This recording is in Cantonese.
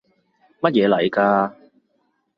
乜嘢嚟㗎？